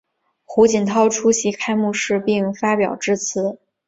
胡锦涛出席开幕式并发表致辞。